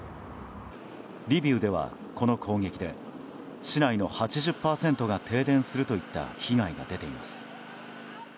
リビウでは、この攻撃で市内の８０％が停電するといった被害も出ています。